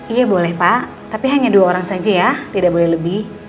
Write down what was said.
iya boleh pak tapi hanya dua orang saja ya tidak boleh lebih